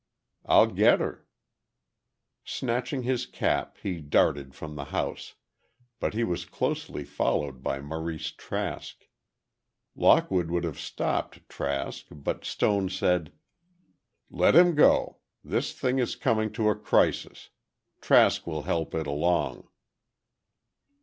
"I'll get her." Snatching his cap, he darted from the house, but he was closely followed by Maurice Trask. Lockwood would have stopped Trask, but Stone said: "Let him go. This thing is coming to a crisis—Trask will help it along."